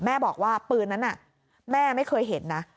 บอกว่าปืนนั้นแม่ไม่เคยเห็นนะ